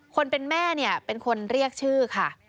คนเป็นแม่เนี่ยเป็นคนเรียกชื่อค่ะ